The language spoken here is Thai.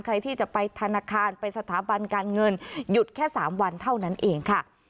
ใครที่จะไปธนาคารไปสถาบันการเงินหยุดแค่๓วันเท่านั้นเองค่ะ